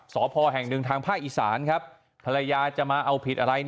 สพแห่งหนึ่งทางภาคอีสานครับภรรยาจะมาเอาผิดอะไร